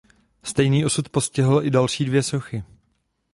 Stejný osud postihl i další dvě sochy.